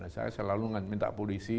saya selalu minta polisi